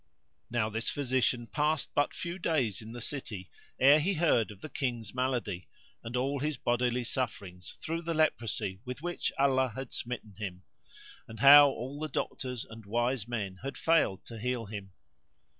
Now this physician passed but few days in the city, ere he heard of the King's malady and all his bodily sufferings through the leprosy with which Allah had smitten him; and how all the doctors and wise men had failed to heal him.